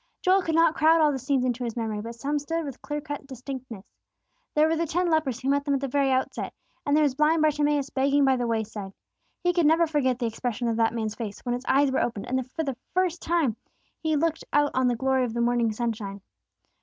Joel could not crowd all the scenes into his memory; but some stood with clear cut distinctness. There were the ten lepers who met them at the very outset; and there was blind Bartimeus begging by the wayside. He could never forget the expression of that man's face, when his eyes were opened, and for the first time he looked out on the glory of the morning sunshine.